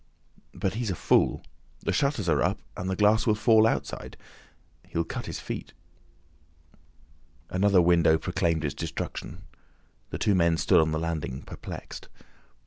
But he's a fool. The shutters are up, and the glass will fall outside. He'll cut his feet." Another window proclaimed its destruction. The two men stood on the landing perplexed.